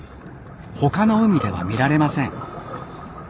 他の海では見られません。